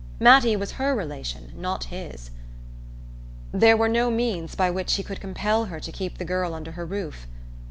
Mattie was her relation, not his: there were no means by which he could compel her to keep the girl under her roof.